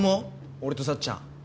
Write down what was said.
俺とさっちゃん。